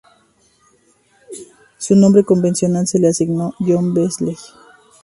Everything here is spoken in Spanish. Su nombre convencional se lo asignó John Beazley.